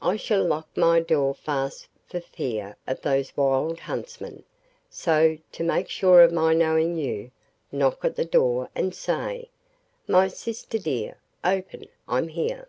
I shall lock my door fast for fear of those wild huntsmen; so, to make sure of my knowing you, knock at the door and say, "My sister dear, open; I'm here."